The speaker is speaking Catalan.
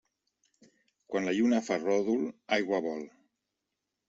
Quan la lluna fa ròdol, aigua vol.